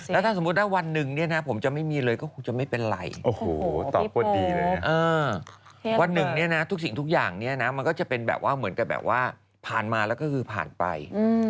แล้วถ้าสมมุติว่าวันหนึ่งเนี่ยนะผมจะไม่มีเลยก็คงจะไม่เป็นไรโอ้โหตอบกวนดีเลยนะวันหนึ่งเนี่ยนะทุกสิ่งทุกอย่างเนี่ยนะมันก็จะเป็นแบบว่าเหมือนกับแบบว่าผ่านมาแล้วก็คือผ่านไป